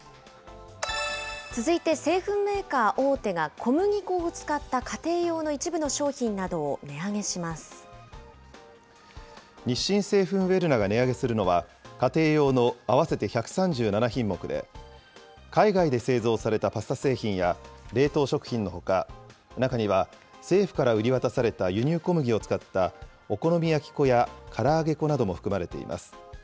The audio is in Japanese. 続いて製粉メーカー大手が小麦粉を使った家庭用の一部の商品日清製粉ウェルナが値上げするのは、家庭用の合わせて１３７品目で、海外で製造されたパスタ製品や冷凍食品のほか、中には政府から売り渡された輸入小麦を使ったお好み焼き粉やから揚げ粉なども含まれています。